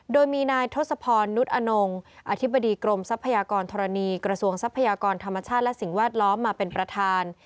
โดยมีนายทศพรนุษย์อนงอธิบดีกรมทรัพยากรธรณีกระทรวงทรัพยากรธรรมชาติและสิ่งแวดล้อมมาเป็นประธาน